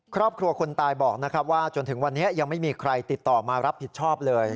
ครอบครัวคนตายบอกนะครับว่าจนถึงวันนี้ยังไม่มีใครติดต่อมารับผิดชอบเลย